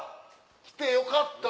来てよかった。